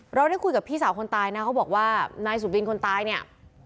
เราได้คุยกับพี่สาวคนตายนะเขาบอกว่านายสุบินคนตายเนี่ย